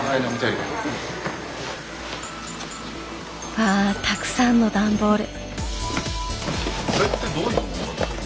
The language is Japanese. わたくさんの段ボール。